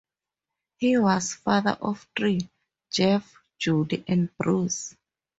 He was father of three: Jeff, Judy, and Bruce.